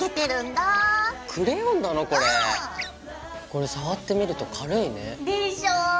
これ触ってみると軽いね。でしょ？